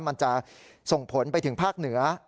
มันจะส่งผลไปถึงภาคเหนือ